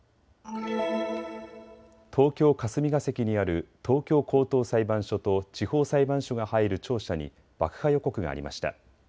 東京霞が関にある東京高等裁判所と地方裁判所が入る庁舎に爆破予告がありました。